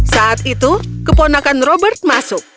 saat itu keponakan robert masuk